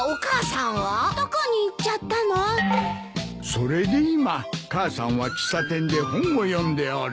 それで今母さんは喫茶店で本を読んでおる。